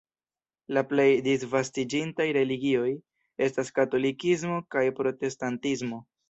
La plej disvastiĝintaj religioj estas katolikismo kaj protestantismo.